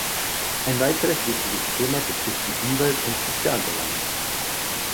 Ein weiteres wichtiges Thema betrifft die Umwelt- und Sozialbelange.